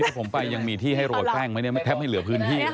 อุ้ยถ้าผมไปยังมีที่ให้รวดแป้งมั้ยเนี่ยแทบให้เหลือพื้นที่